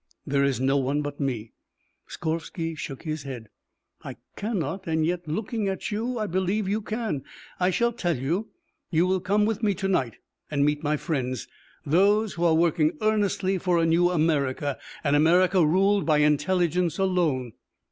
"There is no one but me." Skorvsky shook his head. "I cannot and yet looking at you I believe you can. I shall tell you. You will come with me to night and meet my friends those who are working earnestly for a new America, an America ruled by intelligence alone.